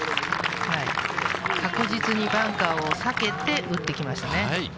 確実にバンカーを避けて、打ってきましたね。